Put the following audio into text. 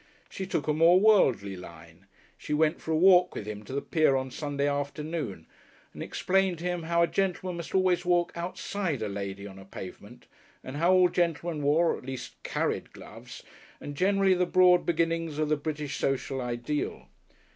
She took a more worldly line. She went for a walk with him to the pier on Sunday afternoon, and explained to him how a gentleman must always walk "outside" a lady on a pavement, and how all gentlemen wore, or at least carried gloves, and generally the broad beginnings of the British social ideal.